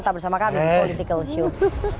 tetap bersama kami di political show